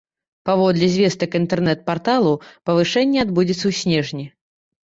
Паводле звестак інтэрнэт-парталу, павышэнне адбудзецца ў снежні.